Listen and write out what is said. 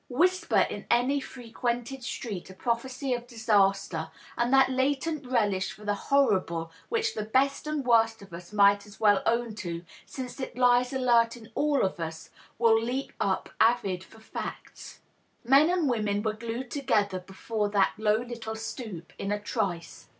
Whisper in any fre quented street a prophecy of disaster, and that latent relish for the hor rible which the best and worst of us might as well own to, since it lies alert in all of us, will leap up avid for &cts. Men and women were glued together before that low little stoop, in a trice.